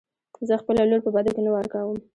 زه خپله لور په بدو کې نه ورکم .